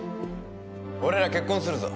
俺ら結婚するぞ！